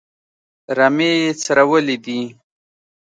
رمې یې څرولې دي.